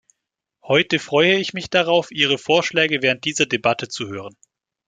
Heute freue ich mich darauf, Ihre Vorschläge während dieser Debatte zu hören.